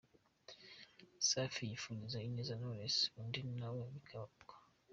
Safi yifuriza ineza Knowless, undi na we bikaba uko.